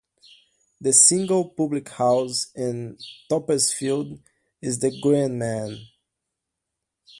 The single public house in Toppesfield is the Green Man.